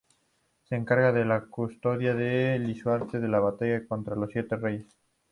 Se encarga de la custodia de Lisuarte en su batalla contra los siete reyes.